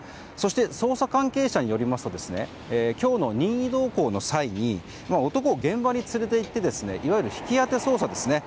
捜査関係者によりますと今日の任意同行の際に男を現場に連れていっていわゆる引き当て捜査ですね。